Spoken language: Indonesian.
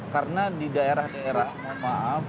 karena di daerah daerah maaf